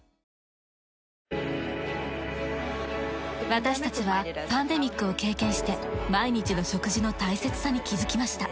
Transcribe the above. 私たちはパンデミックを経験して毎日の食事の大切さに気づきました。